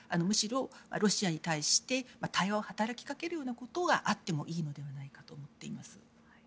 むしろ、ロシアに対して対話を働きかけるようなことがあってもいいのではないかと思っています。